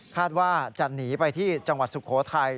คาดว่าจะหนีไปที่จังหวัดสุโขทัย